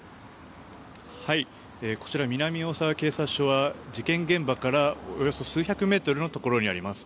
こちら、南大沢警察署は事件現場からおよそ数百メートルのところにあります。